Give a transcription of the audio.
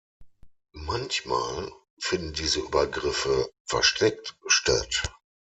Manchmal finden diese Übergriffe versteckt statt.